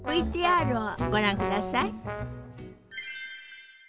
ＶＴＲをご覧ください。